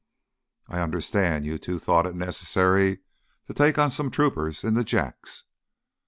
"I understand you two thought it necessary to take on some troopers in the Jacks."